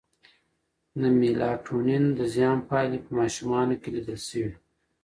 د میلاټونین د زیان پایلې په ماشومانو کې لیدل شوې.